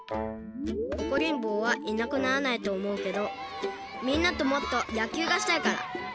おこりんぼうはいなくならないとおもうけどみんなともっとやきゅうがしたいから。